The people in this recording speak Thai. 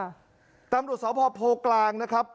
ตำรวจสพโพกลางนะครับ